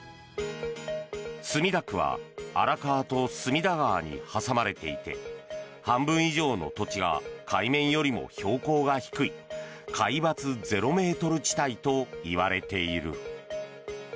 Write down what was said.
墨田区は荒川と隅田川に挟まれていて半分以上の土地が海面よりも標高が低い海抜ゼロメートル地帯といわれている。